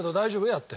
やって。